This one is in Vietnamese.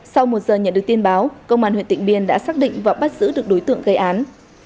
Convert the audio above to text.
sau một giờ nhận được tin báo công an huyện tịnh biên đã xác định và bắt giữ được đối tượng gây án